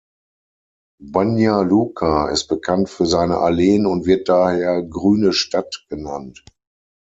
Banja Luka ist bekannt für seine Alleen und wird daher „Grüne Stadt“ genannt.